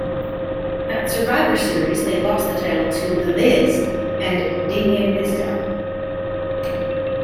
At Survivor Series they lost the title to The Miz and Damien Mizdow.